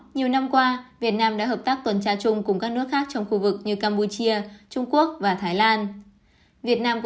nhiều năm qua việt nam đã hợp tác tuần tra chung cùng các nước khác trong khu vực như campuchia trung quốc và thái lan